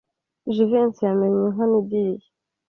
Jivency yamennye nkana idirishya.